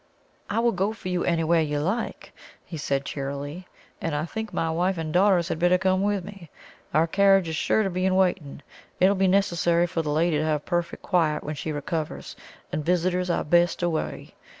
"I'll go for you anywhere you like," he said cheerily; "and I think my wife and daughters had better come with me. Our carriage is sure to be in waiting. It will be necessary for the lady to have perfect quiet when she recovers, and visitors are best away.